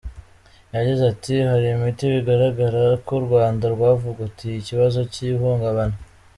Yagize ati “Hari imiti bigaragara ko u Rwanda rwavugutiye ikibazo cy’ihungabana.